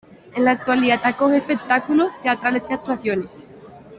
En la actualidad acoge espectáculos teatrales y actuaciones.